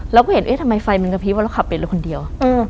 แล้วก็เห็นเอ๊ะทำไมไฟมันกระพริบแล้วขับไปเลยคนเดียว